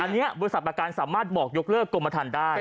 อันนี้บริษัทประกันสามารถบอกยกเลิกกรมฐานได้